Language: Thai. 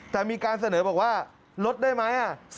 แต่มีการเสนอบอกว่าลดได้ไหม